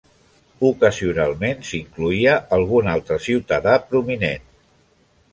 Ocasionalment s'incloïa algun altre ciutadà prominent.